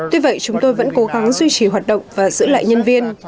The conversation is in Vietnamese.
tuy vậy chúng tôi vẫn cố gắng duy trì hoạt động và giữ lại nhân viên